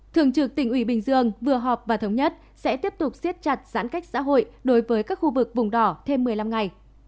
thường trực tỉnh ủy bình dương vừa họp và thống nhất sẽ tiếp tục siết chặt giãn cách xã hội đối với các khu vực vùng đỏ thêm một mươi năm ngày